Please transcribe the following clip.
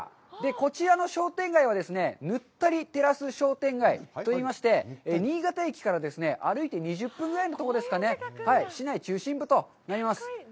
こちらの商店街はですね、沼垂テラス商店街といいまして、新潟駅から歩いて２０分ぐらいのところですかね、市内中心部となります。